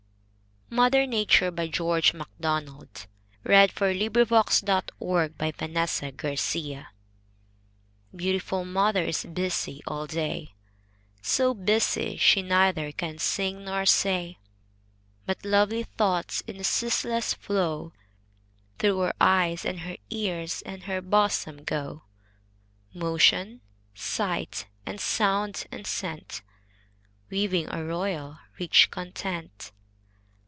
tell you whose the hand Bears him high o'er sea and land? MOTHER NATURE. Beautiful mother is busy all day, So busy she neither can sing nor say; But lovely thoughts, in a ceaseless flow, Through her eyes, and her ears, and her bosom go Motion, sight, and sound, and scent, Weaving a royal, rich content.